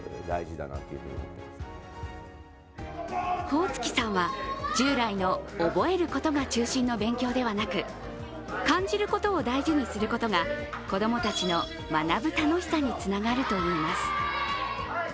宝槻さんは、従来の覚えることが中心の勉強ではなく感じることを大事にすることが子供たちの学ぶ楽しさにつながるといいます。